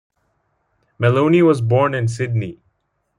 Melouney was born in Sydney.